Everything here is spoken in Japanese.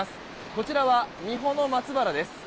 こちらは、三保松原です。